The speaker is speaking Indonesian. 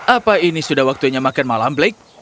apa ini sudah waktunya makan malam black